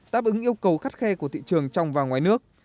đáp ứng yêu cầu khắt khe của thị trường trong và ngoài nước